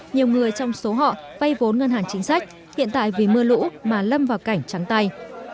nhiều người trong số họ vay vốn ngân hàng chính sách hiện tại vì mưa lũ mà lâm vào cảnh trắng tay